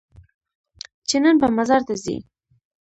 چې نن به مزار ته ځې؟